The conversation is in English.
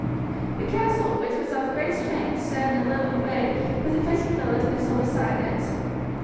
The castle, which was of great strength, stood in a little bay with a fishing village nestled beside it.